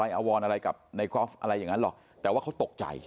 อวรอะไรกับในกอล์ฟอะไรอย่างนั้นหรอกแต่ว่าเขาตกใจ